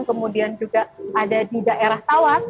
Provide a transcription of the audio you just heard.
kemudian juga ada di daerah tawang